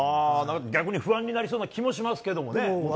逆に不安になりそうな気もしますけどもね。